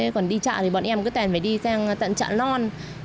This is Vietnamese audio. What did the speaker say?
còn đi chợ thì bọn em cứ tèm phải đi sang tận chợ non